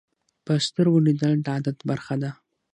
په سترګو لیدل د عادت برخه ده